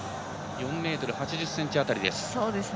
４ｍ８０ｃｍ辺り。